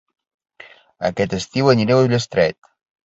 Aquest estiu aniré a Ullastret